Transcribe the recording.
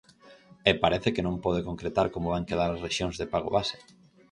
E parece que non pode concretar como van quedar as rexións de pago base.